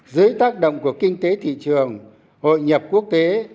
dưới tác động của kinh tế thị trường hội nhập quốc tế